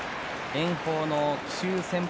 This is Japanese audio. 炎鵬の奇襲戦法